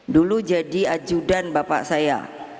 dulu jadi ajudan bapak saya